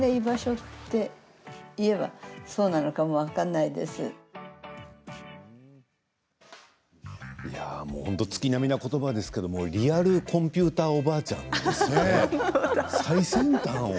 いや、もう本当に月並みなんですけどリアルコンピューターおばあちゃんですね。